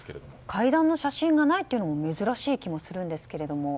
会談の写真がないというのも珍しい気がしますけど。